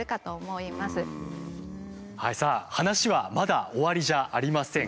さあ話はまだ終わりじゃありません。